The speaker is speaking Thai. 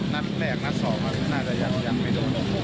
นัดแรกนัดสองน่าจะยังไม่โดน